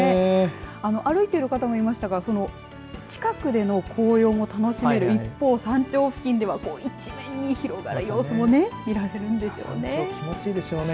歩いている方もいましたがその近くでの紅葉も楽しめる一方山頂付近では一面に広がる様子も見られるんですよね。